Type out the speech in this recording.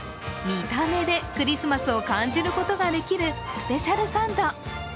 見た目でクリスマスを感じることができるスペシャルサンド。